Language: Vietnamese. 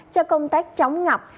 cho công tác chống ngập